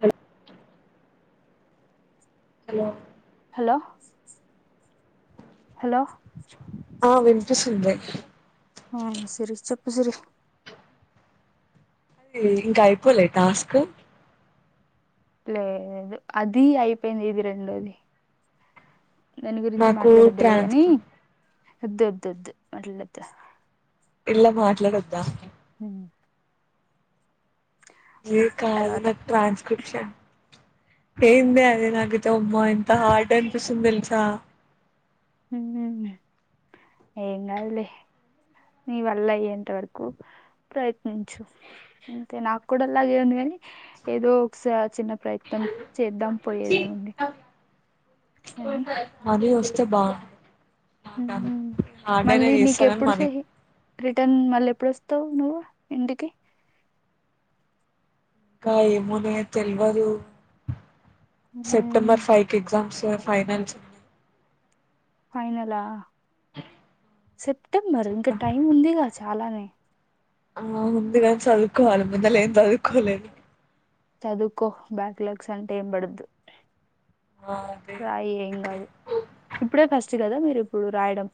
Hello hello డ hello ఆ వినిపిస్తుంది ఆ సిరి చెప్పుసిరి ఎంది ఇంకా అయిపోలే టాస్క్ లేదు అది అయిపోయింది ఇది రెండోది దాని గురించి నాకు మాట్లాడొద్దులే గాని ట్రాన్స్క్రి వద్దు వద్దు వద్దు మాట్లాడద్దు ట్ల మాట్లడద్ద మ్ లే కాదు తర్వాత నాది ట్రాన్స్క్రిప్షన్ ఏందే అది నాగితే అమ్మా ఎంత హార్డ్ అనిపిస్తుంది తెల్సా ఏం గాదులే నీ వల్ల అయ్యేంత వరకు ప్రయత్నించు అంతే నాకు కూడా అలాగే ఉంది ఏదో ఒకసారి చిన్న ప్రయత్నం చేద్దాం పోయేది ఏముంది సరే సబా ఉమ్ హార్డయినా మళ్ళీ చేస్తగాని నీకెప్పుడు మనీ సహి రిటర్న్ మళ్ళీ ఎప్పుడుస్తవు నువ్వు ఇంటికి ఇంకా ఏమోనే తెల్వదు ఉమ్ సెప్టెంబర్ ఫైవ్కి ఎగ్జామ్స్ ఫైనల్స్ ఫైనలా సెప్టెంబర్ ఇంకా చెప్తా టైం ఉందిగా చాలానే ఆ ఉందిగాని చదువుకోవాలి ముందలే ఏం చదువుకోలేదు చదువుకో బ్యాక్ లాగ్స్ అంటే ఏం పడ్డదు ఆ అదే రాయి ఏం అందుకే గాదు ఇప్పుడే ఫస్ చ్చు కదా మీరు ఇప్పుడు రాయడం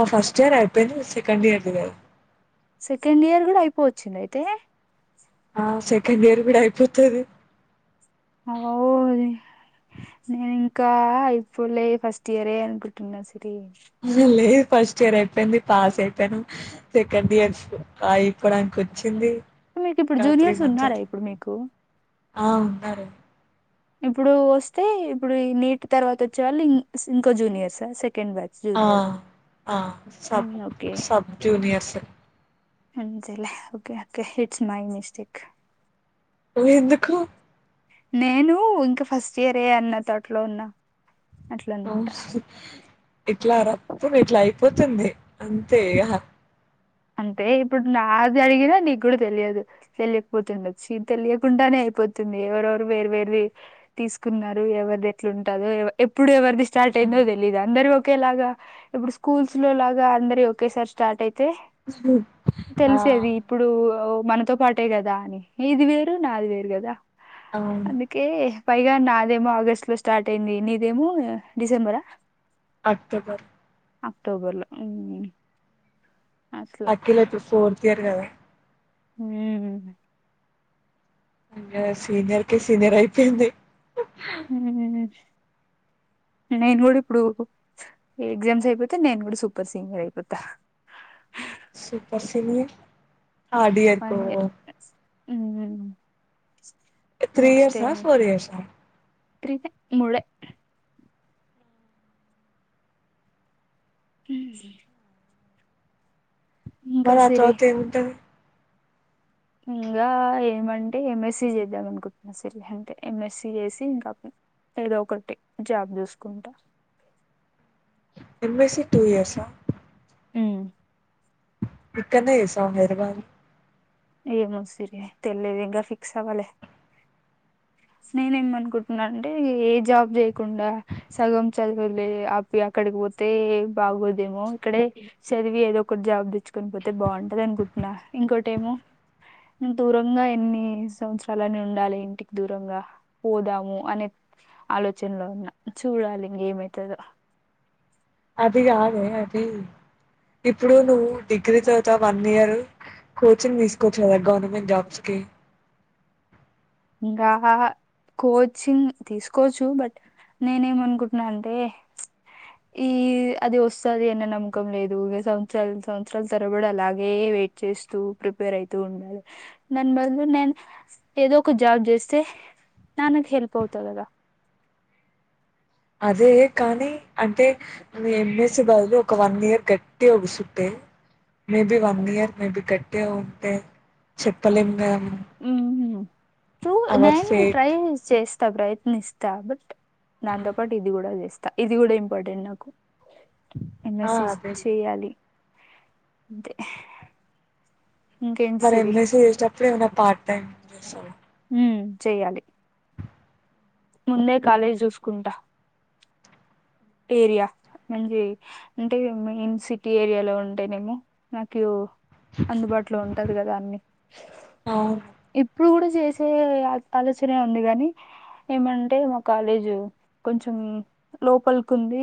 అ ఫస్ట్ ఇయర్ అయిపోయింది సెకండ్ ఇయర్ది కాదు సెకండ్ ఇయర్ కూడా అయిపోవచ్చింద అయితే ఆ సెకండ్ ఇయర్ కూడా అయిపోతది అఓలే నేను ఇంకా అయిపోలే ఫస్ట్ ఇయర్ అనుకుంటున్నాసి ఆహా లేదు ఫస్ స్ట్ ఇయర్ అయిపోయింది పాస్ అయిపోను సెకండ్ ఇయర్ అయిపోడానికి వచ్చింది మీకు ఇప్పుడు ఇంకా త్రీ జూనియర్స్ మంత్స్ ఉన్నారా అట్లా ఇప్పుడు మీకు ఆ ఉన్నారు ఇప్పుడు వస్తే ఇప్పుడు ఈ నీట్ తర్వాత వచ్చే వాళ్ళు ఇ ఇంకో జూనియర్స్ స సెంకెడ్ బ్యాచ్ ఆ జూని ఆ మ్ సబ్ ఓకే సబ్ జూనియర్స్ అంతేలే okay okay it's my mistake ఎందుకు నేను ఇంకా ఫస్ట్ ఇయరే అన్న థాట్లో ఉన్నా అట్ల అ అనమాట ఇట్లార ప్పు ఇట్లా అయిపోతుంది అంతే అంతే ఇప్పుడు నాది అడిగినా నీకు కూడా తెలియదు తెలియకపోతుడచ్చు ఇది తెలియకుండానే పోతుంది ఎవరెవరు వేరు వేరివి తీసుకున్నారు ఎవరిది ఎట్లా ఉంటో ఎప్పుడు ఎవరిది స్టార్ట్ అయిందో తెలీదు అందరి ఒకేలాగా ఇప్పుడు స్కూల్స్లో లాగా అందరి ఒకేసారి స్టార్ట్ అయితే ఆ తెలిసేది ఇప్పుడు ఆ మనతో పాటే గదా అని ఇది వేరు నాది వేరు కదా అవును అందుకే పైగా నాదేమో ఆగస్టు లో స్టార్ట్ అయింది నీదేమో డిసెంబరా అక్టోబర్ అక్టోబర్ లో, ఉమ్మ్ అఖిల ది ఫోర్త్ ఇయర్ కదా. హుమ్మ్ ఆ సీనియర్ కే, సీనియర్ అయిపోయింది. హుమ్మ్ నేన్ గుడా ఇప్పుడు, ఎగ్జామ్స్ అయిపోతే నేన్ గుడా సూపర్ సీనియర్ అయిపోతా. హ సూపర్ సీనియర్ ఉమ్మ్ త్రీ ఇయర్స్ ఆ, ఫోర్ ఇయర్స్ ఆ త్రీ నే, ముడే హుమ్మ్ మన తోటే ఉంటది. ఇంగా ఏమంటే ఎం ఎస్సి చేద్దాం అనుకుంటున్నా సిరి అంతే, ఎం ఎస్సి చేసి ఇంకా అప్ ఏదో ఒకటి జాబ్ జుస్కుంటా. ఏం ఎస్సీ టూ ఇయర్స్ ఆ. ఉమ్, ఇక్కడనే సా [unintelligible] నీ అడగాలి. ఏమో సిరి తెలీదు ఇంకా ఫిక్స్ అవ్వాలే. నేనేం అనుకుంటున్నా అంటే, ఏ జాబ్ జేయకుండా సగం చదువులే అపి అక్కడికి పోతే బాగోదేమో, ఇక్కడే సద్వి ఏదో ఒకటి జాబ్ దెచ్చుకొని పోతే బాగుంటది అనుకుంటున్న. ఇంకోటేమో దూరంగా ఎన్ని సంవత్సరాలని ఉండాలి ఇంటికి దూరంగా, పోదాము అనే ఆలోచనలో ఉన్న, చూడాలి ఇంగా ఏమైతదో. అది కాదే అది, ఇప్పుడు నువ్వు డిగ్రీ చదువుతా వన్ ఇయరు కోచింగ్ తీసుకోవచ్చు గదా, గవర్నమెంట్ జాబ్స్ కి. ఇంగా కోచింగ్ తీసుకోవచ్చు బట్, నేనేమనుకుంటున్నా అంటే, ఈ అది ఓస్తది అన్న నమ్మకం లేదు, ఇగా సంవత్సరాల్, సంవత్సరాల తరబడి అలాగే వే ఇచ్చేస్తు ప్రిపేర్ అయితు ఉండాలే. కో జాబ్ జేస్తే, నాన్నకు హెల్ప్ అవుతా గదా. అదే కానీ, అంటే నువ్ ఎం ఎస్సి బదులు ఒక వన్ ఇయర్ గట్టిగా గుసుంటే. మేబి వన్ ఇయర్, మేబి గట్టిగా ఉంటే చెప్పలేమ్ గదా. ఉమ్ టు నేన్ ఫేట్ ట్రై చేస్తా, ప్రయత్నిస్తా బట్ దాంతో పాటు ఇది గుడా జేస్తా, ఇది గుడా ఇంపార్టెంట్ నాకు. ఎం ఆ ఎస్సి అదేలే చేయ్యాలి అంతే. ఇంకేంటి మరి ఎం సిరి ఎస్సి చేసేటప్పుడు ఏమైనా పార్ట్ టైమ్ జెస్కోవే. హుమ్మ్ చెయ్యాలి. ముందే కాలేజ్ జుసుకుంటా. ఏరియా. మంచి, అంటే మెయిన్ సిటీ ఏరియాలో ఉంటేనేమో నాకు అందుబాటులో ఉంటది కదా అన్ని. అవును ఇప్పుడ్ గుడా చేసే ఆ ఆలోచనే ఉంది గని. ఏమంటే మా కాలేజు, కొంచెం లోపల్ కుంది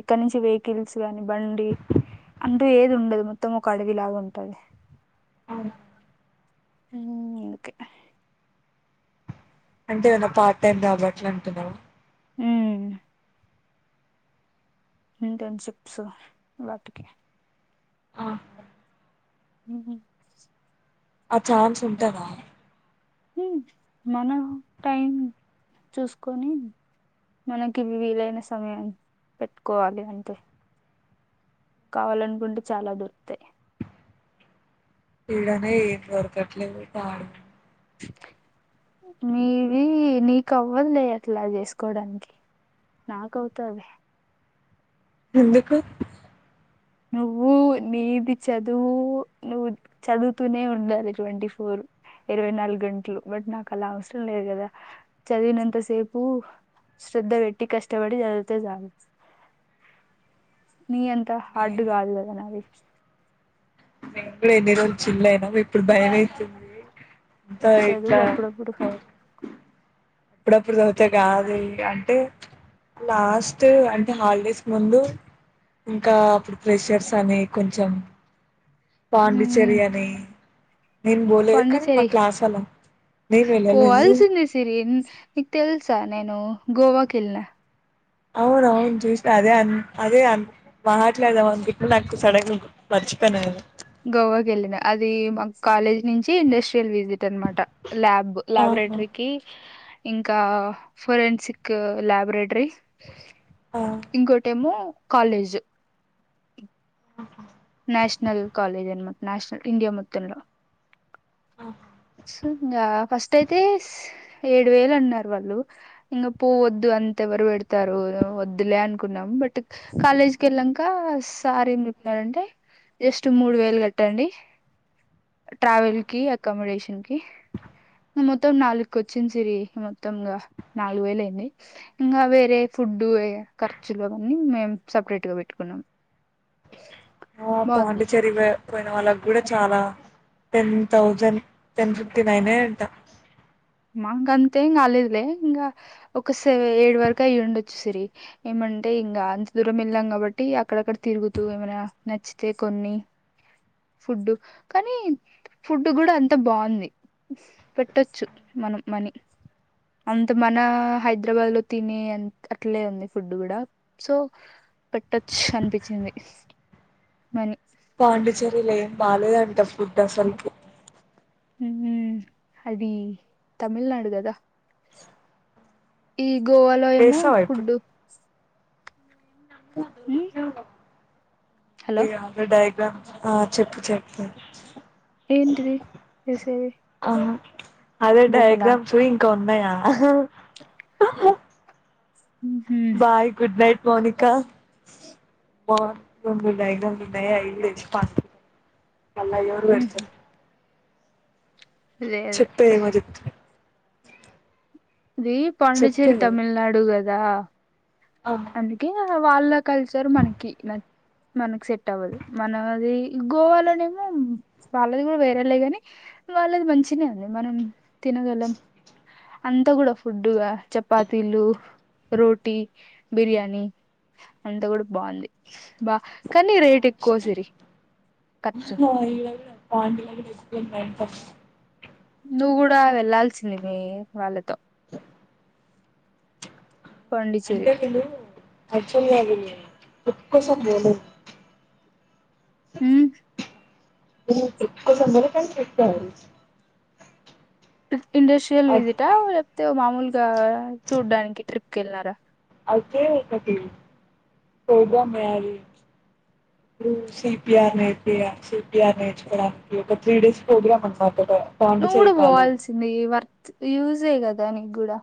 ఇక్కడ నుంచి వెహికల్స్ గాని బండి అంటూ ఏది ఉండదు మొత్తం ఒక అడవిలాగా ఉంటది. అవు ఉ ఓకే అంటే ఏన్న పార్ట్ టైం జాబ్ అట్ల అంటున్నావ్? అ ఇంటర్న్షిప్స్ వాటికి ఆ ఉ ఆ ఛాన్స్ ఉంటదా? మనం టైం చూసుకొని మనకి వీలైన సమయం పెట్టుకోవాలి అంతే కావాలనుకుంటే చాలా దొరుకుతాయి. ఇడనే ఏం దొరకట్లే ఆడు మీవి ఈ నీకు అవ్వదలే అట్లా చేసుకోడానికి నాక అవుతాది. ఎందుకు? నువ్వు నీది చదువు నువ్వు చదువుతూనే ఉండాలి ట్వంటీ ఫోర్ ఇరవై నాలుగు గంటలు బట్ నాకు అలా అవసరం లేదు కదా చదివినంతసేపు శ్రద్ధ పెట్టి కష్టపడి చదివితే చాలు ని ఎంత ఆడ్డు కాదు కదా నావి మేము కూడా ఎన్ని రోజు చిల్ ఆయినామొ ఇప్పుడు భయం ఆయితుంది. చదువు అప్పుడుప్పుడు అప్పుడప్పుడు చదివితే గాదు ఇంకా అంటే లాస్ట్ అంటే హాలిడేస్ ముందు ఇంకా అప్పుడు ప్రెషర్స్ అని కొంచెం పాండిచ్చెర్రి అనే పాండిచ్చరి నేను వెళ్ళలేదు పోవలిసింది సిరిన్ ఇక తెలుసా నేను గోవాకి వెళ్ళినా అవును అవును చూసినా అదే అన్ అదే అ మాట్లాడదా అ గిట్ నాకు సడ మ స్పెనాము గోవాకి వెళ్ళిన అది మా కాలేజ్ నుంచి ఇండస్ట్రియల్ విజిట్ దేన్మాట ల్యాబ్ ఆహా ల్యాబోరేటరీకి ఇంకా ఫొరెన్సిక్ ల్యాబరేటరీ ఆ ఇంకోటిమో కాలేజు ఓహా నేషనల్ కాలేజ్ అనమాట నేషనల్ ఇండియా మొత్తంలో ఆఓ ఇంగ ఫస్ట్ అయితే స్ ఏడు వేలు అన్నారు వాళ్ళు ఇంగ పువ్ వద్దు అంత ఎవరు పెడతారు వద్దులే అనుకున్నాం. బట్ కాలేజ్కి వెళ్ళాంక సార్ ఏం చెప్పినాడు అంటే జస్ట్ మూడు వేలు కట్టండి ట్రావెల్ కి, అకామిడేషన్ కి మొత్తం నాలుగుకు వచ్చింది సిరి మొత్తంగా నాలుగు వేలు అయింది. ఇంగా వేరే ఫుడ్ యే ఖర్చులు అవన్నీ మేము సెపరేట్గా పెట్టుకున్నాం. ఆ బాగుంది పాండిచెరివె పోయిన వాళ్ళకి కూడా చాలా టెన్ థౌజండ్ టెన్ ఫిఫ్టీ నైనే అంట మాంకంతేం కాలేదులే ఇంగ ఒక స ఏడు వరకు అయిండొచ్చు సిరి ఏమ అంటే ఇంకా అంత దూరం వెళ్ళాం కాబట్టి అక్కడక్కడ తిరుగుతూ ఏమైనా నచ్చితే కొన్ని ఫుడ్డు కానీ ఫుడ్ కూడా అంత బాగుంది పెట్టచ్చు మనం మనీ అంత మన హైదరాబాద్ లో తినే అట్లే ఉంది ఫుడ్ కూడా సో పెట్టొచ్చు అనిపించింది మని పాండిచ్చేరిలో ఏం బాలేదు అంట ఫుడ్ అసలకి ఉ అది తమిళనాడు కదా ఈ గోవాలో ఏమో చేస్తావా ఇప్పుడు ఫుడ్డు ఉ ఈ గ్యాప్ లో డయగ్రమ్స్ ఆ చెప్పు చెప్పు ఏంటిది ఏసేది ఆ అదే డయాగ్రామ్స్ ఇంకా ఉన్నాయా మ్మ్ బాయ్ గుడ్ నైట్ మోనికా బావుంటుంది డయాగ్రమ్స్ [inaudible] తెచ్చుకో అంది మళ్ళ అవి కూడా మ్మ్ పెడతారు అదే అదే చెప్పే ఏమో చెప్తివి ఇది చెప్తే పాండిచ్చేరి తమిళనాడు కదా ఆ అందుకే వాళ్ళ కల్చర్ మనకి న మనకు సెట్ అవ్వదు మనది గోవాలోనేమో వాళ్ళది కూడా వేరేలే గానీ వాళ్ళది మంచిగా అండి మనం తినగలం అంతా కూడా ఫుడ్ చపాతీలు, రోటీ, బిర్యాని అంతా కూడా బాగుంది బా కానీ రేట్ కావచ్చు ఎక్కువ సిరి ఖర్చు ఆయిల్ కూడ పాండిలో తీసు ఉ టైం పాస్ నువ్వు కూడా వెళ్ళాల్సింది మీ వాళ్ళతో పాండిచ్చేరి యాక్టువల్ గా వెళ్ళింది [inaudible] ఉ ఈ ట్రిప్ ఉంటుందని కాని పెట్టారు ఇండస్ట్రియల్ విసిటా లేకపోతే మాములుగా చూడ్డానికి ట్రిప్ కి వెళ్ళారా ఒకే ఒకటి సోగా మ్యారేజ్ ఉ సిపిఆర్ నేర్పియా సిపిఆర్ నేర్చుకోడానికి ఒక త్రీ డేస్ ప్రోగ్రాం అన్నారు నువ్వు కూడా పోవాల్సింది వర్త్ యూజే కదా నీకు కూడా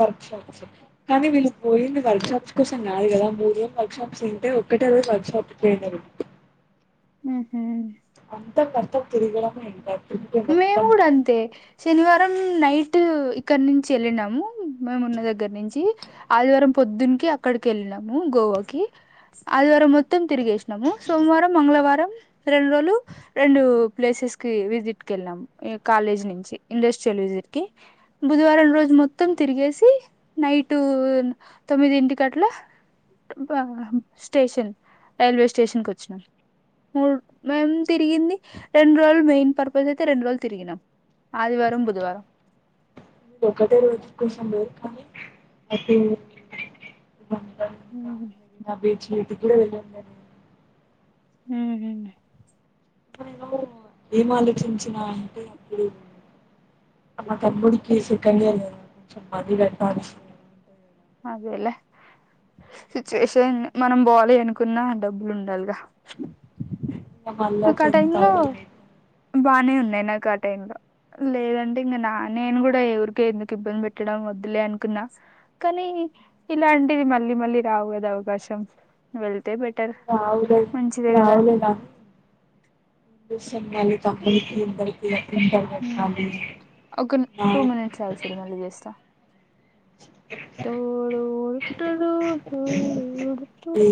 వర్క్ షాప్స్ కానీ వీళ్ళు పోయింది వర్క్ షాప్స్ కోసం కాదు కదా మూడు వర్క్ షాప్స్ ఏంటే ఒక్కటే వర్క్ షాప్ పోయినరు ఉ అంతా కర్త తిరుగడమే ఇంటర్ మేము కూడా అంతే శనివారం నై టు ఇక్కడి నుంచి వెళ్ళినాము మేమున్న దగ్గర్నుంచి ఆదివారం పొద్దునికి అక్కడికి వెళ్ళి లము గోవాకి అదివారం మొత్తం తిరిగేష్ సోమవారం మంగళవారం రెండు రోజులు రెండు ప్లేసెస్ కి విజిట్ కెళ్ళాం ఈ కాలేజ్ నుంచి ఇండస్ట్రియల్ విజిట్కి బుధవారం రోజు మొత్తం తిరిగేసి నైటు తొమ్మిది ఇంటికి అట్లా ఇప్పామ్ స్టేషన్ రైల్వే స్టేషన్ కొచ్చినాన్ మూడ్ మేం తిరిగింది రెండ్రో రోజులు మెయిన్ పర్ప్ [inaudible] రెండ్రోజులు తిరిగినం ఆదివారం బుధవారం ఒకటే రోజు [unintelligible] ఆ బేడీషీట్కె రెండు వందలు [inaudible] ఊహు ఎమలోచించిన అంటే అప్పుడు మా తమ్ముడికి సెంకెండియరు కొంచెం మనీ పెట్టాల్సి వుండ అదెలే సిచ్యువేషన్ మనం బొవాలి అనుకున్నా డబ్బులుండాలిగా ఇంగ మల్లా టెన్ థౌంజండ్ అయితు బానే ఉన్నాయ్ నాకు ఆ టైం లో లేదంటే ఇంగ నా నేను గుడా ఎవురికి ఎందుకు ఇబ్బంది పెట్టడం వద్దులే అనుకున్నా కనీ ఇలాంటివి మళ్ళీ మళ్ళీ రావుగదా అవకాశం వెళ్ రావులే రావులేగాని ఉ [inaudible] ఇంటర్ ఉమ్. గట్టామి ఒక ఆ టూ మినిట్స్ ఆగు సిరి మళ్ళీ చేస్తా ఏ